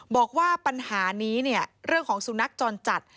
บอกว่าปัญหานี้เนี่ยเรื่องของสุนัขจรจัด